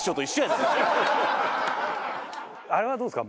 あれはどうですか？